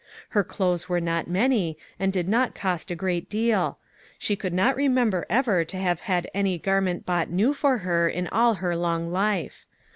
Her clothes were not many, and did not cost a great deal. She could not remember ever to have had any garment bought new for her in all her long life.